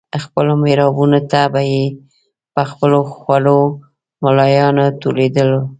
خپلو محرابونو ته به یې په خپلو خوړو ملایان تولیدول.